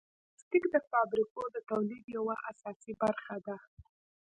پلاستيک د فابریکو د تولید یوه اساسي برخه ده.